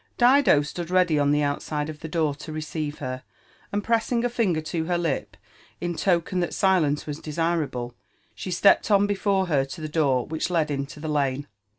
Dido stood ready on the outside of the door to receive hev; and pressi^ a &Dger to her lip in token that silence ws# desirable, she stepped on before her to the door which led into the lane.